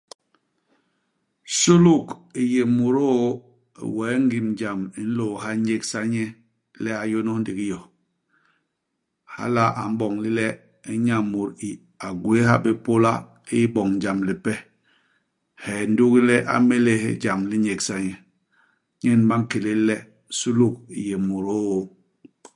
Suluk i yé mut i ôô wee ngim jam i nlôôha nyégsa nye le a yônôs ndigi yo. Hala a m'boñ ni le inya mut i, a gwéé ha bé pôla iboñ jam lipe, he ndugi le a m'méles ijam li nyégsa nye. Nyen ba nkélél le suluk i yé mut i ôô.